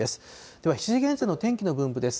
では７時現在の天気の分布です。